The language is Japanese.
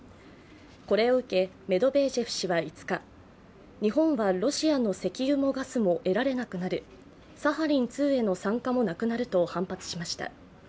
これを受け、メドベージェフ氏は５日、日本はロシアの石油もガスも得られなくなるサハリン２への参加もなくなると反発しました。